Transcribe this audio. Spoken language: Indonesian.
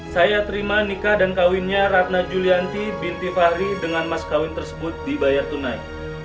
saya terima nikah dan kawinnya ratna julianti binti fahri dengan mas kawin tersebut dibayar tunai